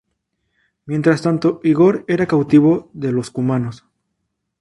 Mientras tanto, Ígor era cautivo de los cumanos.